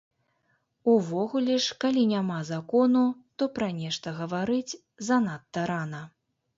Увогуле ж, калі няма закону, то пра нешта гаварыць занадта рана.